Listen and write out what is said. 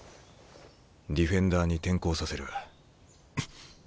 ディフェンダーに転向させる。